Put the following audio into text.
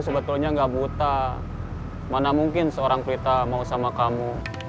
sebetulnya gak buta mana mungkin seorang pelita mau sama kamu